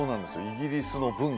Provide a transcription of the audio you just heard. イギリスの文化